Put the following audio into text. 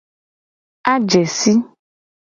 Aje si.